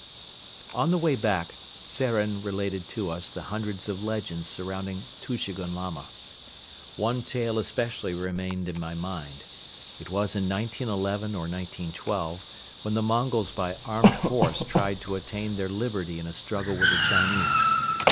On the way back Tzeren related to us the hundreds of legends surrounding Tushegoun Lama. One tale especially remained in my mind. It was in 1911 or 1912 when the Mongols by armed force tried to attain their liberty in a struggle with the Chinese.